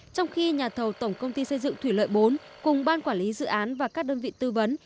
trong khi nhà thầu tổng công ty xây dựng thủy lợi bốn cùng ban quản lý dự án và các đơn vị tư vấn